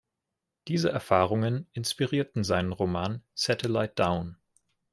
Diese Erfahrungen inspirierten seinen Roman "Satellite Down".